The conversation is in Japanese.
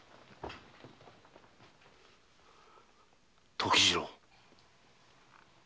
時次郎。